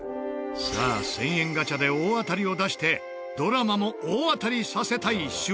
さあ１０００円ガチャで大当たりを出してドラマも大当たりさせたい主演藤ヶ谷。